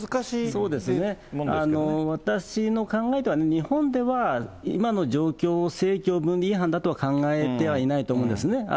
そうですね、私の考えでは、日本では今の状況を政教分離違反だとは考えてはいないと思うんですね。